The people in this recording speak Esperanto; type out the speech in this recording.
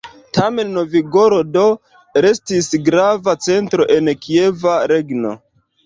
Tamen Novgorodo restis grava centro en Kieva regno.